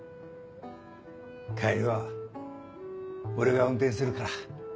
帰りは俺が運転するから。